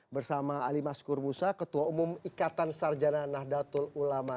bersama ali maskur musa ketua umum ikatan sarjana nahdlatul ulama